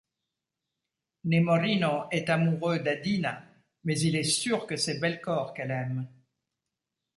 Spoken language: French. Nemorino est amoureux d'Adina, mais il est sûr que c’est Belcore qu'elle aime.